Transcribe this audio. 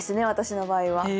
私の場合は。